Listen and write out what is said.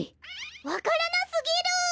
わからなすぎる！